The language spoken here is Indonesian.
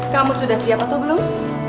kamu sudah siap atau belum